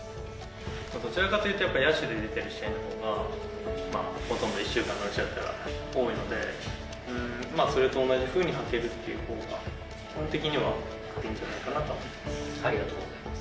どちらかというとやっぱり野手で出ている試合のほうが、ほとんど１週間のうちだったら多いので、それと同じふうに履けるっていうほうが、基本的にはいいんじゃないかなと思います。